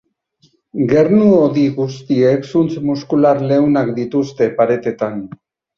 Gernu-hodi guztiek zuntz muskular leunak dituzte paretetan.